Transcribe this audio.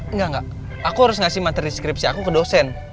enggak enggak aku harus ngasih materi skripsi aku ke dosen